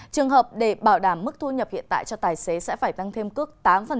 trường hợp để bảo đảm mức thu nhập hiện tại cho tài xế sẽ phải tăng thêm cước tám